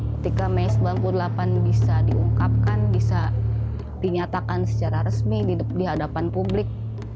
ketika mei seribu sembilan ratus sembilan puluh delapan bisa diungkapkan bisa dinyatakan secara resmi di hadapan publik